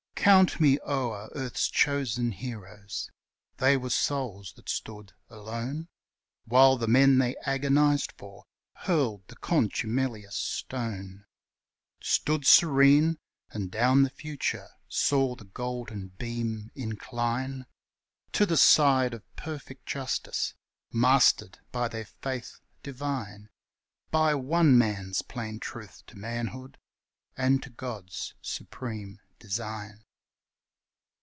Count me o'er earth's chosen heroes, they were souls that stood alone, While the men they agonized for hurled the contumelious stone, Stood serene, and down the future saw the golden beam incline To the side of perfect justice, mastered by their faith divine, By one man's plain truth to manhood and to God's supreme design.